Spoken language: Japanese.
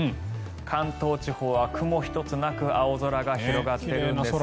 関東地方は雲一つなく青空が広がっているんです。